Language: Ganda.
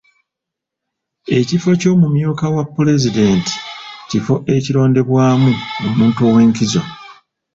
Ekifo ky'omumyuka wa pulezidenti, kifo ekirondebwamu omuntu ew'enkizo.